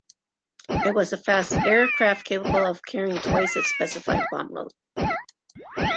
It was a fast aircraft capable of carrying twice its specified bomb load.